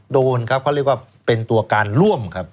โดนครับเขาเรียกว่าเป็นตัวการร่วมครับ